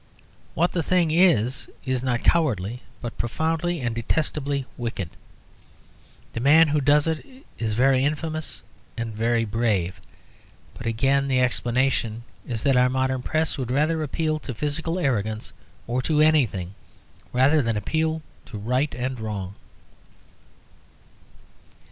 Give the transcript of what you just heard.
What the thing is, is not cowardly, but profoundly and detestably wicked. The man who does it is very infamous and very brave. But, again, the explanation is that our modern Press would rather appeal to physical arrogance, or to anything, rather than appeal to right and wrong.